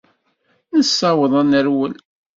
Nessaweḍ ad nerwel.